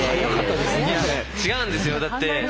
いや違うんですよだって。